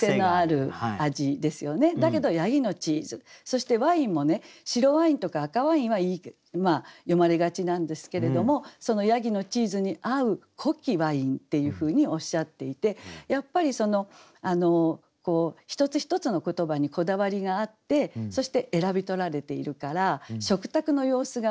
そしてワインもね「白ワイン」とか「赤ワイン」は詠まれがちなんですけれどもその「山羊のチーズ」に合う「濃きワイン」っていうふうにおっしゃっていてやっぱりその一つ一つの言葉にこだわりがあってそして選び取られているから食卓の様子が見えますよね。